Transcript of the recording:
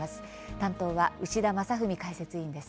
担当は牛田正史解説委員です。